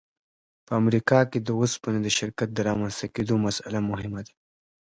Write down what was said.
په امریکا کې د اوسپنې د شرکت د رامنځته کېدو مسأله مهمه ده